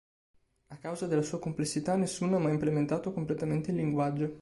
A causa della sua complessità nessuno ha mai implementato completamente il linguaggio.